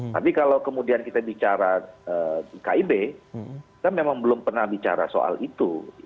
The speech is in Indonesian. tapi kalau kemudian kita bicara kib kita memang belum pernah bicara soal itu